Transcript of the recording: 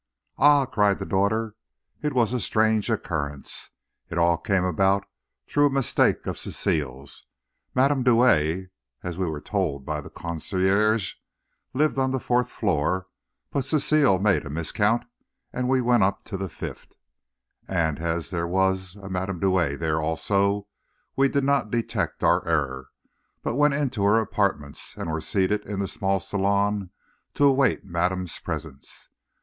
"Ah," cried the daughter, "it was a strange occurrence. It all came about through a mistake of Cecile's. Madame Douay, as we were told by the concierge, lived on the fourth floor, but Cecile made a miscount and we went up to the fifth, and as there was a Madame Douay there also, we did not detect our error, but went into her apartments and were seated in the small salon to await madame's presence.